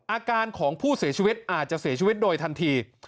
อาการของผู้เสียชีวิตอาจจะเสียชีวิตโดยทันที